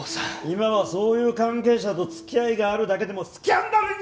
今はそういう関係者と付き合いがあるだけでもスキャンダルになるんだ！！